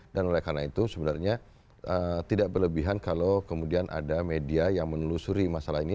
dan oleh karena itu sebenarnya tidak berlebihan kalau kemudian ada media yang menelusuri masalah ini